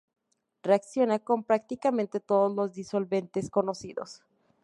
Reacciona con prácticamente todos los disolventes conocidos.